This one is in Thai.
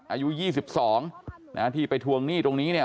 อายุ๒๒นะที่ไปทวงหนี้ตรงนี้เนี่ย